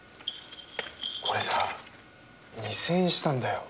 これさ２０００円したんだよ。